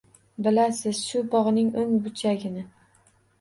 Bilasiz, shu bog’ning o’ng burchagini